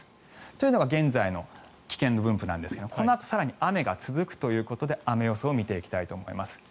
というのが現在の危険度分布なんですがこのあと更に雨が続くということで雨予想を見ていきたいと思います。